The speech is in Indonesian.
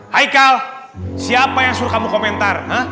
hai kal siapa yang suruh kamu komentar